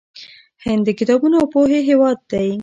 هند د کتابونو او پوهې هیواد دی.